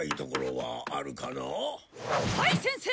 はい先生！